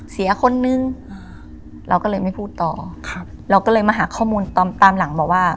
เสียคนนึงเราก็เลยไม่พูดต่อครับเราก็เลยมาหาข้อมูลตอนตามตามหลังบอกว่า